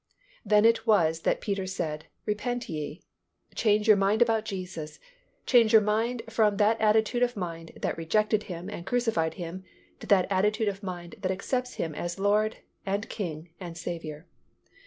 Then it was that Peter said, "Repent ye," "Change your mind about Jesus, change your mind from that attitude of mind that rejected Him and crucified Him to that attitude of mind that accepts Him as Lord and King and Saviour."